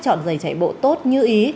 chọn giày chạy bộ tốt như ý